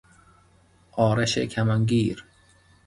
آرش کمانگیر